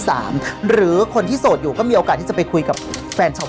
หรือคนที่โสดอยู่ก็มีโอกาสที่จะไปคุยกับแฟนชาว